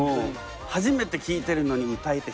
初めて聴いてるのに歌えてしまう。